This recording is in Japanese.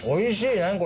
何これ？